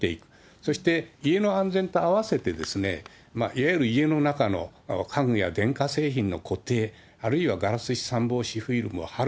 そして家の安全と合わせて、いわゆる家の中の家具や電化製品の固定、あるいはガラス飛散防止フィルムを貼る。